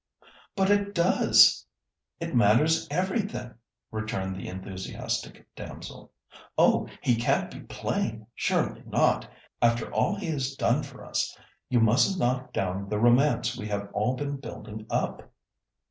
"But it does, it matters everything," returned the enthusiastic damsel. "Oh! he can't be plain, surely not—after all he has done for us. You mustn't knock down the romance we have all been building up."